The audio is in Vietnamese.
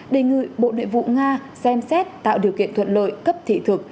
đề nghị bộ nội vụ nga xem xét tạo điều kiện thuận lợi cấp thị thực